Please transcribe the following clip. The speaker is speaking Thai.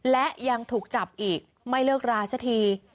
และยังถูกจับอีกไม่เลิกราสักที